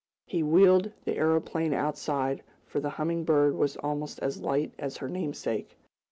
He wheeled the aeroplane outside, for the Humming Bird was almost as light as her namesake.